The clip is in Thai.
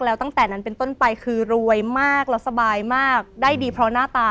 แล้วตั้งแต่นั้นเป็นต้นไปคือรวยมากแล้วสบายมากได้ดีเพราะหน้าตา